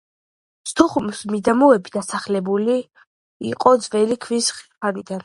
სოხუმის მიდამოები დასახლებული იყო ძველი ქვის ხანიდან.